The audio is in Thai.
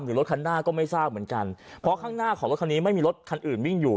รถคันหน้าก็ไม่ทราบเหมือนกันเพราะข้างหน้าของรถคันนี้ไม่มีรถคันอื่นวิ่งอยู่